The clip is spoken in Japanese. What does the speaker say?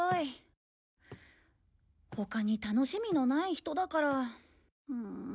他に楽しみのない人だから。